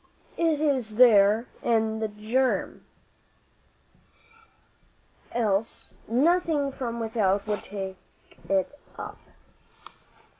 It is there in the germ, else nothing from without would wake it up."